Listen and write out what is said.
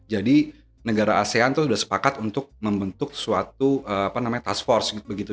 jadi negara asean tuh udah sepakat untuk membentuk suatu apa namanya task force gitu